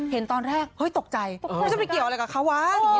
เห็นตอนแรกเฮ้ยตกใจไม่ใช่ไปเกี่ยวอะไรกับเขาวะ